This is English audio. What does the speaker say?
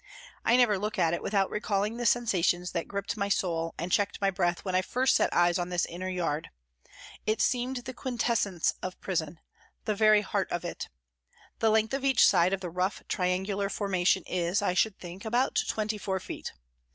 I never look at it without recalling the sensations that gripped my soul and checked my breath when I first set eyes on this inner yard. It seemed the quintessence of prison, the very heart of it. The length of each side 188 of the rough, triangular formation is, I should think, about twenty four feet.